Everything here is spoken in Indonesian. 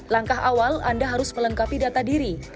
langkah awal anda harus melengkapi data diri